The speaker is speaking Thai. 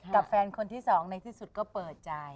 กับแฟนคนที่สองในที่สุดก็เปิดใจ